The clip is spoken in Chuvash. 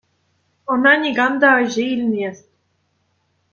Ӑна никам та ӗҫе илмест.